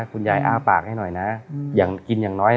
อ้าปากให้หน่อยนะอย่างกินอย่างน้อย